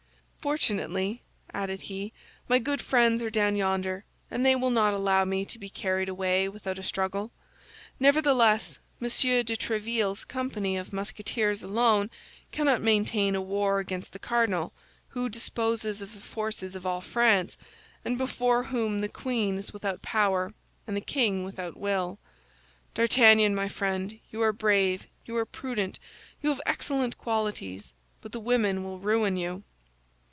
"Fortunately," added he, "my good friends are down yonder, and they will not allow me to be carried away without a struggle. Nevertheless, Monsieur de Tréville's company of Musketeers alone cannot maintain a war against the cardinal, who disposes of the forces of all France, and before whom the queen is without power and the king without will. D'Artagnan, my friend, you are brave, you are prudent, you have excellent qualities; but the women will ruin you!"